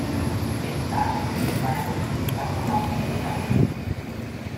Més tard van aconseguir passar la frontera.